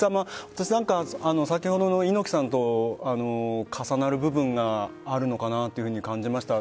私なんか先ほどの猪木さんと重なる部分があるのかなと感じました。